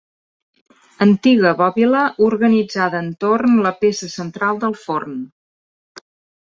Antiga bòbila organitzada entorn la peça central del forn.